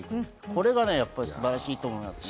これが素晴らしいと思いますね。